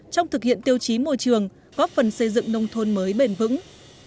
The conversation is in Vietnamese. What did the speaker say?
trong thực hiện tiêu chí môi trường góp phần xây dựng nông thôn mới bền vững